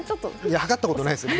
測ったことないですけど。